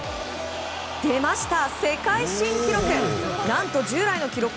出ました、世界新記録！